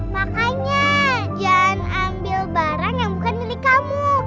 makanya jangan ambil barang yang bukan milik kamu